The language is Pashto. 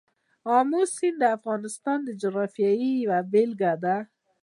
آمو سیند د افغانستان د جغرافیې یوه بېلګه ده.